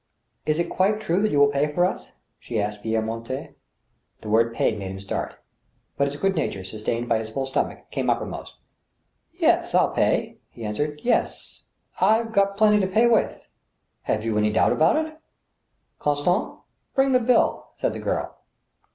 " Is it quite true that you will pay for us ?" she asked Pierre Mortier. The word pay made him start. But his good nature, sustained by his full stomach, came uppermost. " Yes, ril pay," he answered. " Yes, ... I've got plenty to pay with. Have you any doubt about it ?"" Constant — bring the bill," said the girl.